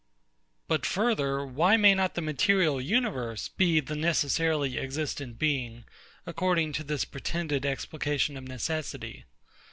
But further, why may not the material universe be the necessarily existent Being, according to this pretended explication of necessity?